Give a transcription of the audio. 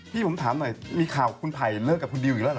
พี่ผมถามหน่อยมีข่าวคุณไผ่เลิกกับคุณดิวอีกแล้วเห